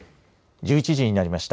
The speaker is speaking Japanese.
１１時になりました。